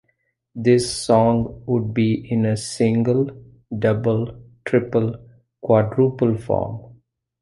This song would be in a "single, double, triple, quadruple" form.